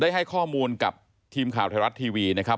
ให้ข้อมูลกับทีมข่าวไทยรัฐทีวีนะครับ